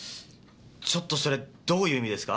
ちょっとそれどういう意味ですか？